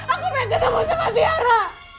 aku pengen ketemu sama tiara